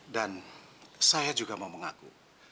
dan saya juga mau mengaku